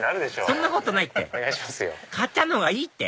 そんなことないってかっちゃんの方がいいって！